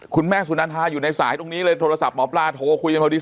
คุณแม่สุนันทาอยู่ในสายตรงนี้เลยโทรศัพท์หมอปลาโทรคุยกันพอดี